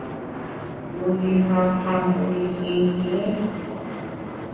Wu yi han han wu yi hin hin ?